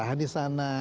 tahan di sana